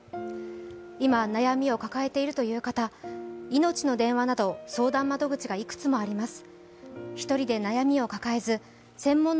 今、悩みを抱えているという方、いのちの電話など相談窓口がいくつもあります。